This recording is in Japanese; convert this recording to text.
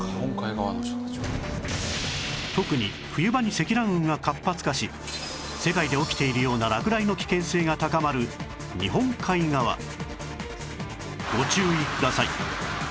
特に冬場に積乱雲が活発化し世界で起きているような落雷の危険性が高まる日本海側ご注意ください